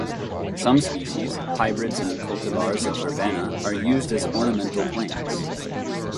Some species, hybrids and cultivars of verbena are used as ornamental plants.